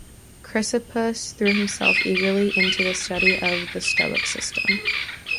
Chrysippus threw himself eagerly into the study of the Stoic system.